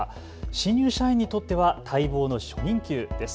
新入社員にとっては待望の初任給です。